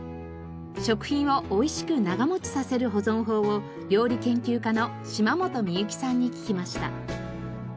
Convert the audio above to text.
食品を美味しく長持ちさせる保存法を料理研究家の島本美由紀さんに聞きました。